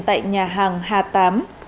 tại nhà hàng hà tám